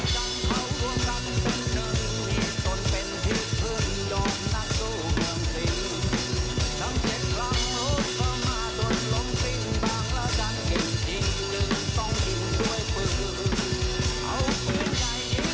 สนับสนุนโดยโฟมล้างมือคิเระอิคิเระอิ